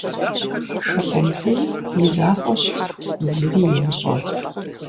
ШыкъумцӀий и закъуэу щыст зыри имыщӏэу.